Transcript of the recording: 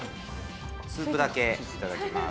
スープだけいただきます。